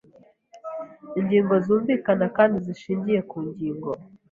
ingingo zumvikana kandi zishingiye ku ngingo